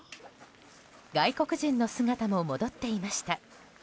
外国人の姿も戻っていました。